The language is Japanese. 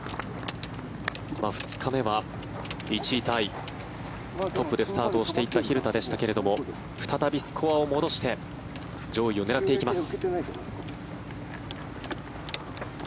２日目は１位タイトップでスタートしていった蛭田でしたが再びスコアを戻して上位を狙っていきます。